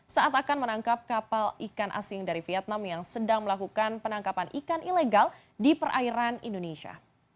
saat akan menangkap kapal ikan asing dari vietnam yang sedang melakukan penangkapan ikan ilegal di perairan indonesia